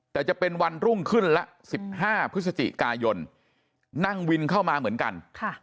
แต่จะเป็นวันรุ่งขึ้นละ๑๕พฤศจิกายนนั่งวินเข้ามาเหมือนกัน